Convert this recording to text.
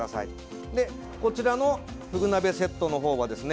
こちらのフグ鍋セットの方はですね